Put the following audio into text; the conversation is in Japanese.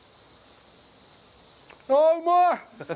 ああ、うまい。